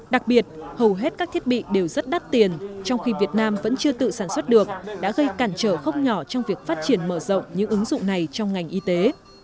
ngoài hết các thiết bị đều rất đắt tiền trong khi việt nam vẫn chưa tự sản xuất được đã gây cản trở khốc nhỏ trong việc phát triển mở rộng những ứng dụng này trong ngành y tế